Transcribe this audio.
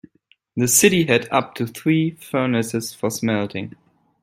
The city had up to three furnaces for smelting.